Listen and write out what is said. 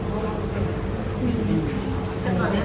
ถึงก่อนเนี่ย